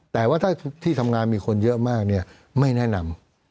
แต่ว่าถ้าที่ทำงานมีคนเยอะมากไม่แนะนำ